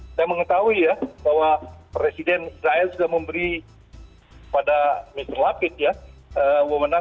saya mengetahui ya bahwa presiden israel sudah memberi pada mr lapid ya